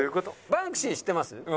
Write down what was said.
バンクシー知ってます？